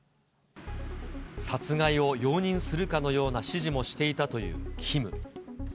殺害を容認するかのような指示もしていたというＫＩＭ。